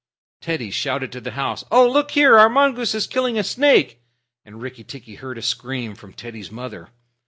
Teddy shouted to the house: "Oh, look here! Our mongoose is killing a snake." And Rikki tikki heard a scream from Teddy's mother.